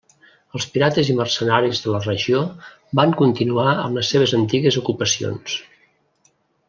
Els pirates i mercenaris de la regió van continuar amb les seves antigues ocupacions.